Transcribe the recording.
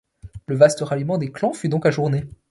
Le vaste ralliement des clans fut donc ajourné.